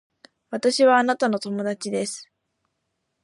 私はあなたの友達です